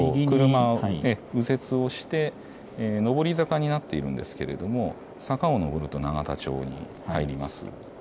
右折をして上り坂になっているんですけれども坂をのぼると永田町に入ります。